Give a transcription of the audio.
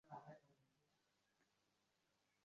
আর আমার মতে তুমি আমার সোনার টুকরো মা।